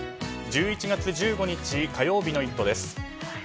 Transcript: １１月１５日火曜日の「イット！」